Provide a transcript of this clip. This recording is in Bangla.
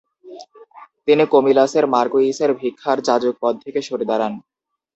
তিনি কোমিলাসের মার্কুইসের ভিক্ষার যাজক পদ থেকে সরে দাঁড়ান।